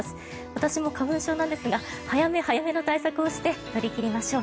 私も花粉症なんですが早め早めの対策をして乗り切りましょう。